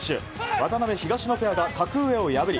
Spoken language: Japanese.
渡辺、東野ペアが格上を破り